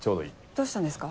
どうしたんですか？